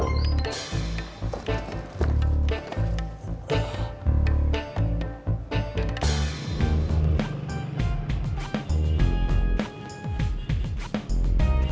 kok taruh disini